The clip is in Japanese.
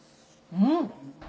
うん。